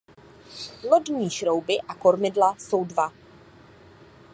Lodní šrouby a kormidla jsou dva.